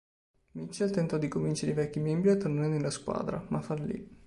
Mitchell tentò di convincere i vecchi membri a tornare nella squadra ma fallì.